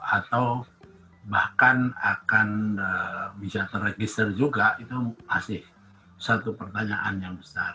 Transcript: atau bahkan akan bisa terregister juga itu masih satu pertanyaan yang besar